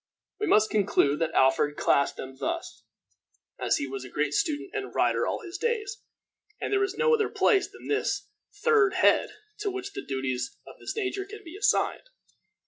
We must conclude that Alfred classed them thus, as he was a great student and writer all his days, and there is no other place than this third head to which the duties of this nature can be assigned.